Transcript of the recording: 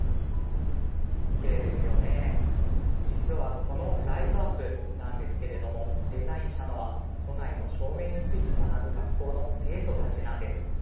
実はこのライトアップなんですがデザインしたのは都内の照明について学ぶ学校の生徒さんたちなんです。